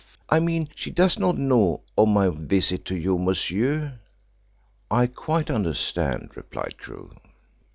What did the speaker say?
I mean she does not know of my visit to you, monsieur." "I quite understand," replied Crewe.